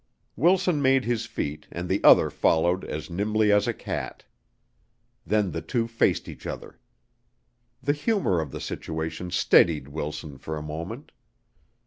Wilson made his feet and the other followed as nimbly as a cat. Then the two faced each other. The humor of the situation steadied Wilson for a moment.